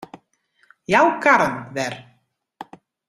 Jou karren wer.